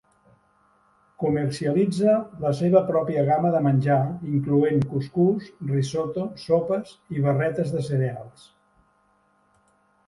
Comercialitza la seva pròpia gamma de menjar, incloent cuscús, risotto, sopes i barretes de cereals.